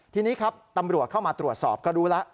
ทีนี้ครับตำรวจเข้ามาตรวจสอบก็รู้แล้ว